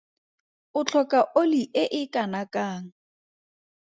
O tlhoka oli e e kanakang?